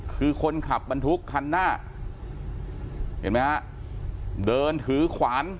คือคนขับบรรทุกคันหน้าเห็นไหมฮะเดินถือขวาน